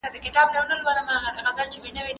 د کوم بېنومه انځورګر